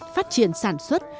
phát triển sản xuất